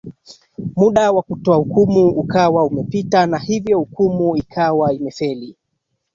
Muda wa kotoa hukumu ukawa umepita hivyo hukumu ikawa imefeli